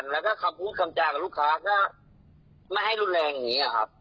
แล้วก็คำพูดคำจากับลูกค้าก็ไม่ให้รุนแรงอย่างนี้ครับ